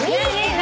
何？